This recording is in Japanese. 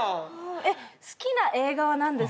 えっ好きな映画は何ですか？